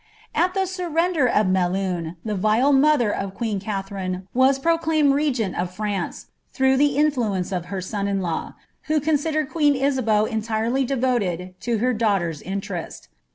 M the surrender of Melurt, the rile mother of queen KBibniiM wm proclaimed regent of France, through the inlluence of her siw n ln, who considered queen Isabeau entirely d<^oted to hnr daugbler'* nir rest.